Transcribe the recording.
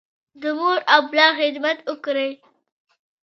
د مور او پلار خدمت وکړئ.